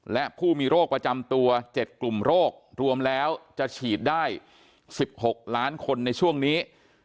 และผู้มีโรคประจำตัว๗กลุ่มโรครวมแล้วจะฉีดได้๑๖ล้านคนในช่วงนี้